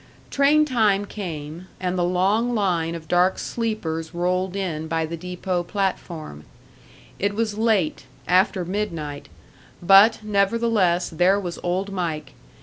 Train time came, and the long line of dark sleepers rolled in by the depot platform. It was late after midnight; but, nevertheless, there was Old Mike.